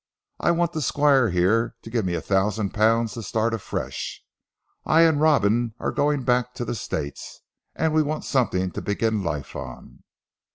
I want the Squire here to give me a thousand pounds to start afresh. I and Robin are going back to the States, and we want something to begin life on."